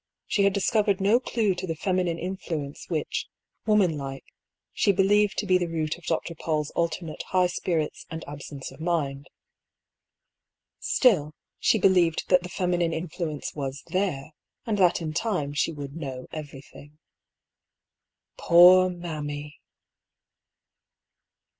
She had discovered no clue to the feminine influence which, woman like, she be lieved to be the root of Dr. PauU's alternate high spirits and absence of mind — still, she believed that the femi nine influence was there^ and that in time she would " know everything." Poor " mammy